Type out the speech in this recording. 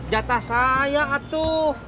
jatah saya atu